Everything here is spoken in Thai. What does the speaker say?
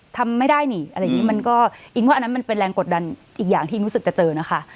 ทำไม่ได้นี่อะไรอย่างนี้มันก็อิงว่าอันนั้นมันเป็นแรงกดดันอีกอย่างที่รู้สึกจะเจอนะคะ